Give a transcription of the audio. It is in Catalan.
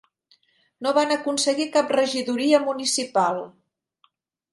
No van aconseguir cap regidoria municipal.